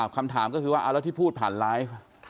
คำถามก็คือว่าเอาแล้วที่พูดผ่านไลฟ์